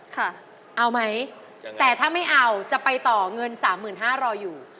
ค่ะเอาไหมแต่ถ้าไม่เอาจะไปต่อเงิน๓๕๐๐รออยู่